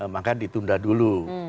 maka ditunda dulu